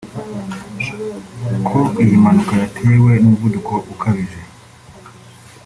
ko iyi mpanuka yatewe n’umuvuduko ukabije